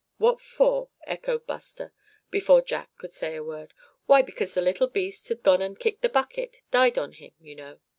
"What for?" echoed Buster, before Jack could say a word, "why, because the little beast had gone and kicked the bucket died on him you know."